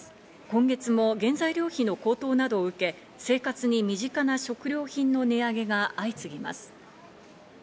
今月も原材料費の高騰などを受け、生活に身近な食料品の値上げが相次ぎます。